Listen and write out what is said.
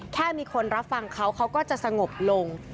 แค่มีคนรับฟังเขาเขาก็จะสงบลง